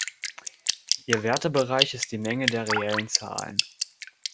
Ihr Wertebereich ist die Menge der reellen Zahlen.